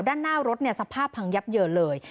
ด้านหน้ารถสภาพพังยับเยินเลย